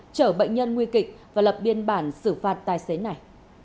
chở bệnh nhân nguy kịch và lập biên bản xử phạt tài xế này